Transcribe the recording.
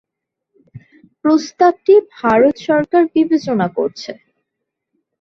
প্রস্তাবটি ভারত সরকার বিবেচনা করছে।